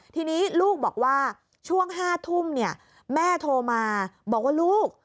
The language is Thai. ทีนี้ลูกบอกว่าช่วง๕ทุ่มเนี่ยแม่โทรมาบอกว่าลูก